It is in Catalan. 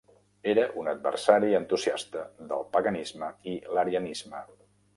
Era un adversari entusiasta del paganisme i l'arianisme.